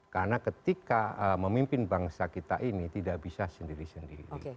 karena ketika memimpin bangsa kita ini tidak bisa sendiri sendiri